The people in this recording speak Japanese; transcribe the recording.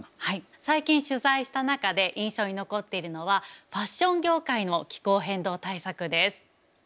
最近取材した中で印象に残っているのはファッション業界の気候変動対策です。